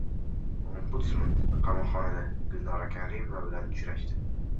Ombudsman qamoqxonada Gulnora Karimova bilan uchrashdi